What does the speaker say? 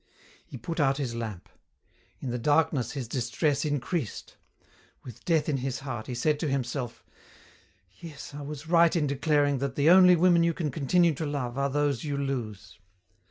He put out his lamp. In the darkness his distress increased. With death in his heart he said to himself, "Yes, I was right in declaring that the only women you can continue to love are those you lose.